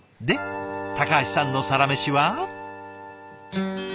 で橋さんのサラメシは？